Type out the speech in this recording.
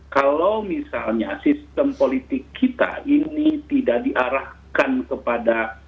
kalau misalnya sistem politik kita ini tidak diarahkan kepada